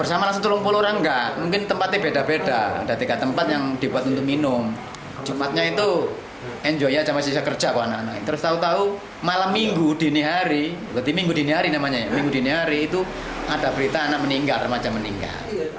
ada berita anak meninggal remaja meninggal